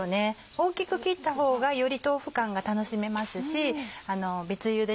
大きく切った方がより豆腐感が楽しめますし別ゆで